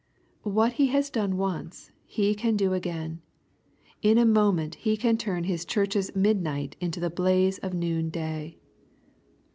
What He has done once, He can do again. In a moment He can turn His church's midnight into the blaze of noon day.